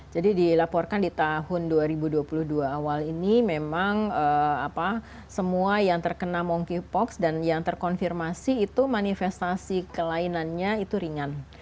dilaporkan di tahun dua ribu dua puluh dua awal ini memang semua yang terkena monkeypox dan yang terkonfirmasi itu manifestasi kelainannya itu ringan